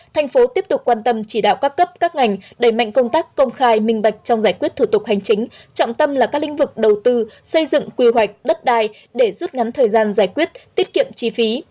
thành phố tiếp tục quan tâm chỉ đạo các cấp các ngành đẩy mạnh công tác công khai minh bạch trong giải quyết thủ tục hành chính trọng tâm là các lĩnh vực đầu tư xây dựng quy hoạch đất đai để rút ngắn thời gian giải quyết tiết kiệm chi phí